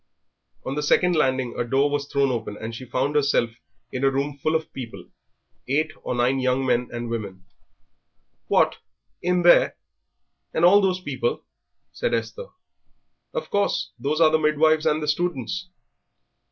On the second landing a door was thrown open, and she found herself in a room full of people, eight or nine young men and women. "What! in there? and all those people?" said Esther. "Of course; those are the midwives and the students."